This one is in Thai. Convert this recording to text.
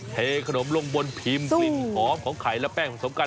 เทขนมลงบนพิมพ์กลิ่นหอมของไข่และแป้งผสมกัน